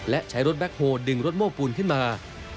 และใช้รถแบ็คโฮลดึงรถโม้ปูนขึ้นมา